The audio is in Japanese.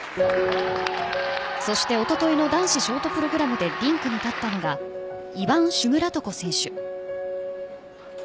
そしておとといの男子ショートプログラムでリンクに立ったのがイヴァン・シュムラトコ選手。